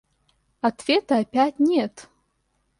Ответа опять нет!